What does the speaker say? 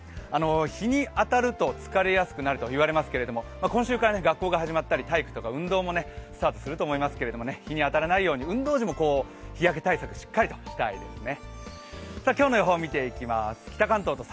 日に当たると疲れやすくなると言われますけど今週から学校が始まったり体育とか運動もスタートすると思いますけど日に当たらないように、運動時も日焼け対策をしっかりしたいですね。